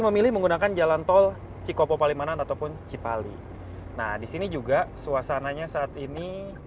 memilih menggunakan jalan tol cikopo palimanan ataupun cipali nah disini juga suasananya saat ini